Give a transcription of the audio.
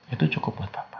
itu cukup buat papa